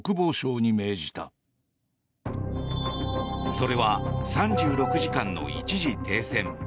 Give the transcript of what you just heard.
それは３６時間の一時停戦。